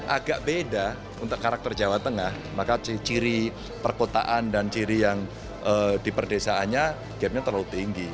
agak beda untuk karakter jawa tengah maka ciri perkotaan dan ciri yang di perdesaannya gapnya terlalu tinggi